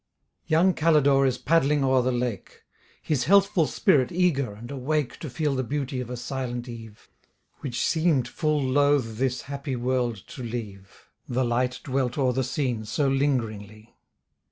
Young Calidore is paddling o'er the lake; His healthful spirit eager and awake To feel the beauty of a silent eve, Which seem'd full loath this happy world to leave; The light dwelt o'er the scene so lingeringly.